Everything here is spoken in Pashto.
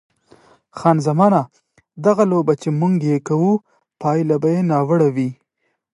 خان زمان: دغه لوبه چې موږ یې کوو پایله به یې ناوړه وي.